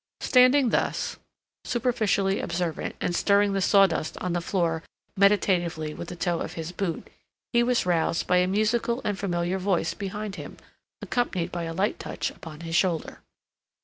Standing thus, superficially observant and stirring the sawdust on the floor meditatively with the toe of his boot, he was roused by a musical and familiar voice behind him, accompanied by a light touch upon his shoulder.